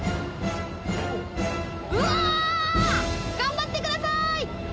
うわ！頑張ってください！